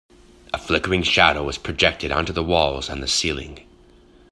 A flickering shadow was projected onto the walls and the ceiling.